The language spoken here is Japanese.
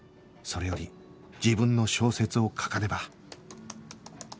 それより自分の小説を書かねば